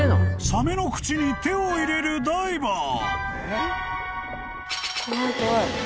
［サメの口に手を入れるダイバー］